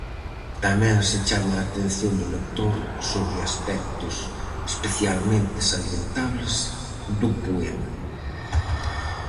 Tamén se chama a atención do lector sobre aspectos especialmente salientables do poema.